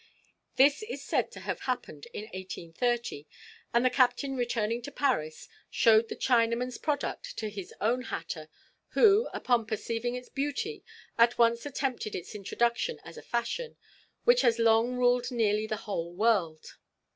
This is said to have happened in 1830, and the captain returning to Paris, showed the Chinaman's product to his own hatter, who, upon perceiving its beauty, at once attempted its introduction as a fashion, which has long ruled nearly the whole world.